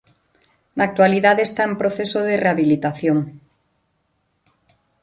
Na actualidade está en proceso de rehabilitación.